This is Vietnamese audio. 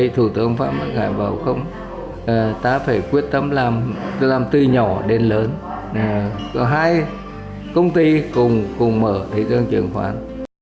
thủ tướng phan văn khải bảo không ta phải quyết tâm làm từ nhỏ đến lớn hai công ty cùng mở thị trường chứng khoán